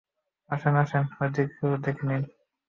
আসেন, আসেন ঐদিকে ও দেখে নিন।